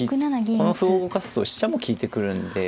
この歩を動かすと飛車も利いてくるんで。